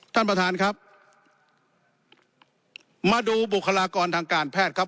ท่านประธานครับมาดูบุคลากรทางการแพทย์ครับ